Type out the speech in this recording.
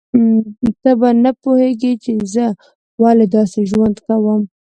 ته به نه پوهیږې چې زه ولې داسې ژوند کوم